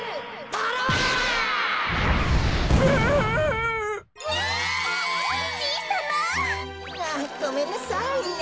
あっごめんなさいね。